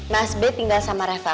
mas b tinggal sama reva